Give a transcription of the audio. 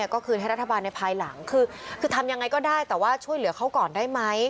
ก็คืนให้รัฐบาลในภายหลังคือทำยังไงก็ได้แต่ว่าช่วยเหลือเขาก่อนได้ไหม